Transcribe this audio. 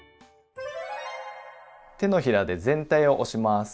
手のひらで全体を押します。